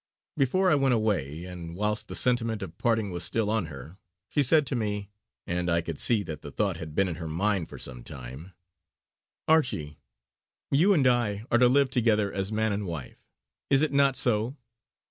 Before I went away, and whilst the sentiment of parting was still on her, she said to me and I could see that the thought had been in her mind for some time: "Archie, you and I are to live together as man and wife. Is it not so?